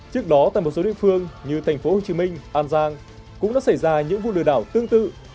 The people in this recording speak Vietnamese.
trước đó tại một số địa phương như thành phố hồ chí minh an giang cũng đã xảy ra những vụ lừa đảo tương tự